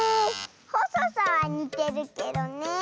ほそさはにてるけどねえ。